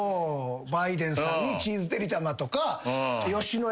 バイデンさんにチーズてりたまとか野屋とか。